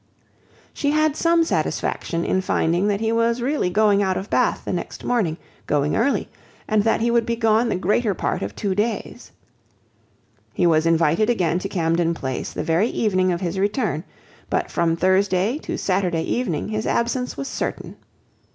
She had some satisfaction in finding that he was really going out of Bath the next morning, going early, and that he would be gone the greater part of two days. He was invited again to Camden Place the very evening of his return; but from Thursday to Saturday evening his absence was certain.